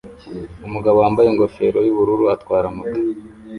Umugabo wambaye ingofero yubururu atwara moto